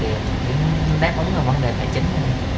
để đáp ứng vấn đề tài chính